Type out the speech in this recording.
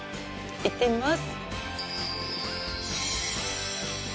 行ってみます。